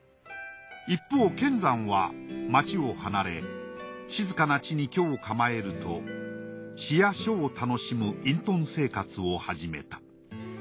一方乾山は町を離れ静かな地に居を構えると詩や書を楽しむ隠とん生活を始めた。